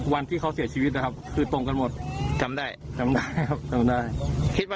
วันที่เขาเสียชีวิตครับคือตรงกันหมดจำได้จำได้ครับ